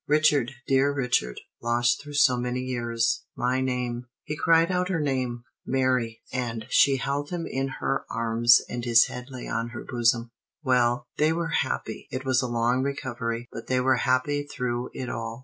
"Richard, dear Richard, lost through so many years, my name " He cried out her name "Mary," and she held him in her arms, and his head lay on her bosom. Well! They were happy. It was a long recovery, but they were happy through it all.